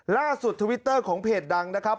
ทวิตเตอร์ของเพจดังนะครับ